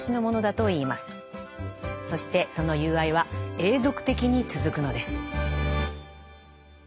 そしてその友愛は永続的に続くのです。